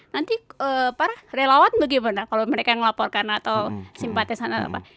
nanti para relawan bagaimana kalau mereka yang melaporkan atau simpatisan atau apa